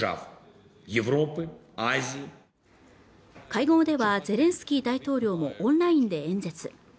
会合ではゼレンスキー大統領もオンラインで演説